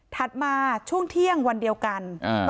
ถัดมาช่วงเที่ยงวันเดียวกันอ่า